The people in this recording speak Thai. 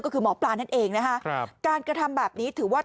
ก็คือหมอปลานั่นเองนะคะครับการกระทำแบบนี้ถือว่า